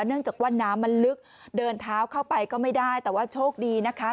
เนื่องจากว่าน้ำมันลึกเดินเท้าเข้าไปก็ไม่ได้แต่ว่าโชคดีนะคะ